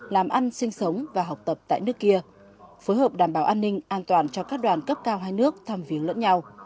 làm ăn sinh sống và học tập tại nước kia phối hợp đảm bảo an ninh an toàn cho các đoàn cấp cao hai nước thăm viếng lẫn nhau